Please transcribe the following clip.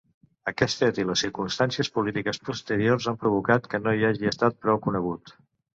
Aquest fet i les circumstàncies polítiques posteriors han provocat que no hagi estat prou conegut.